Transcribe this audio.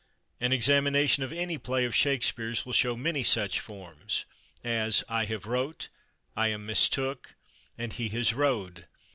An examination of any play of Shakespeare's will show many such forms as "I have /wrote/," "I am /mistook/" and "he has /rode